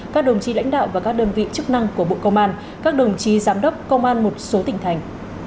các đồng chí lãnh đạo và các đơn vị chức năng của bộ công an các đồng chí giám đốc công an một số tỉnh thành